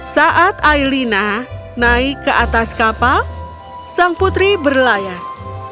saat ailina naik ke atas kapal sang putri berlayar